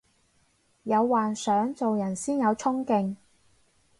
有幻想做人先有沖勁